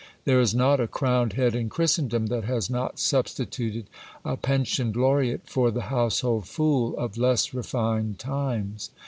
There is not a crowned head in Christendom that has not substituted a pensioned laureate for the household fool of less refined times.